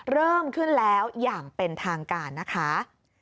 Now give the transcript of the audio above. เริ่มขึ้นแล้วอย่างเป็นทางการนะคะ